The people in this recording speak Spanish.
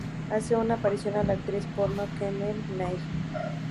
Hace una aparición la actriz porno Kennedy Leigh.